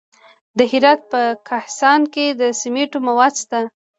د هرات په کهسان کې د سمنټو مواد شته.